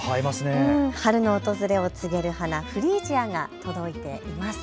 春の訪れを告げる花、フリージアが届いています。